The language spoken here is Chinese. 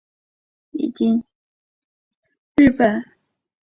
山北町为新舄县最北端面向日本海的一町。